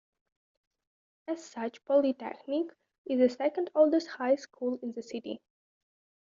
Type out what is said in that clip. As such, Polytechnic is the second oldest high school in the city.